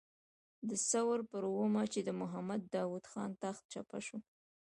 د ثور پر اوومه چې د محمد داود خان تخت چپه شو.